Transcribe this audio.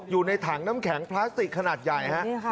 อยู่ในถังน้ำแข็งพลาสติกขนาดใหญ่ฮะ